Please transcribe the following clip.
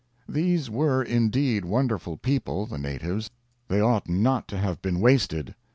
These were indeed wonderful people, the natives. They ought not to have been wasted.